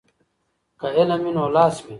که علم وي نو لاس وي.